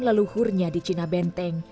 leluhurnya di cina benteng